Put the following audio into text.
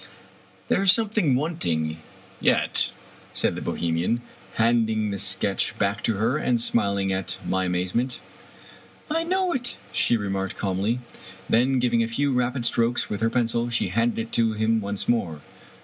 " There is something wanting yet," said the Bohemian, handing the sketch back to her^ and smiling at my amaze ment. " I know it," she remarked calmly. Then, giving a few rapid strokes with her pencil, she handed it to him once more.